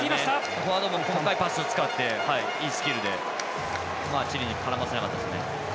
フォワードも細かいパスを使っていいスキルでチリに絡ませなかったですね。